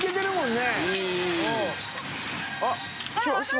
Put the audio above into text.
あっ！